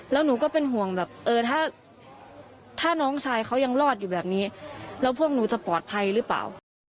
แล้วหนูก็เป็นห่วงแบบเออถ้าน้องชายเขายังรอดอยู่แบบนี้แล้วพวกหนูจะปลอดภัยหรือเปล่า